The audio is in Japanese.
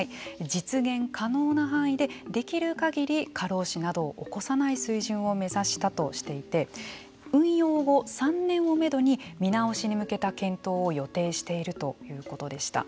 実現可能な範囲でできるかぎり過労死などを起こさない水準を目指したとしていて運用後３年をめどに見直しに向けた検討を予定しているということでした。